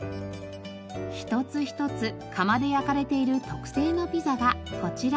一つ一つ窯で焼かれている特製のピザがこちら。